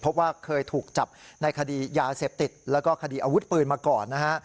เพราะว่าเคยถูกจับในคดียาเสพติดแล้วก็คดีอาวุธปืนมาก่อนนะฮะ